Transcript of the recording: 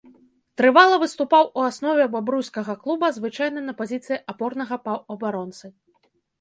Трывала выступаў у аснове бабруйскага клуба, звычайна на пазіцыі апорнага паўабаронцы.